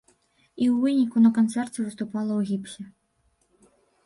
І ў выніку на канцэрце выступала ў гіпсе.